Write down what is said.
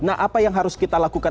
nah apa yang harus kita lakukan